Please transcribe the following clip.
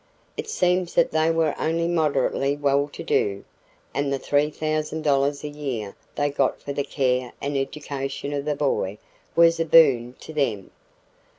It seems that they were only moderately well to do and the $3,000 a year they got for the care and education of the boy was a boon to them.